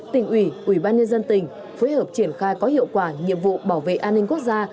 tỉnh ủy ủy ban nhân dân tỉnh phối hợp triển khai có hiệu quả nhiệm vụ bảo vệ an ninh quốc gia